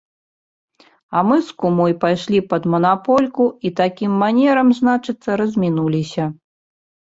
А мы з кумой пайшлі пад манапольку і такім манерам, значыцца, размінуліся.